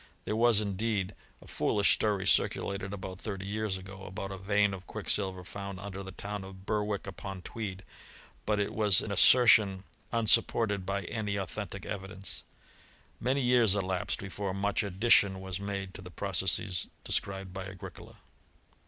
There was, indeed, a foplislEl' AGltXCOLA AKD MBTALLVAGY. 223 Story circulated about thirty years ago, about a vein of quickflilyer found under the town of Berwick upon Tweed ; but it was an assertion unsupported by any Ituthentic evidence. Many years elapsed before much addition was made to the processes described by Agricola.